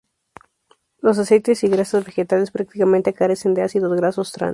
Los aceites y grasas vegetales prácticamente carecen de ácidos grasos trans.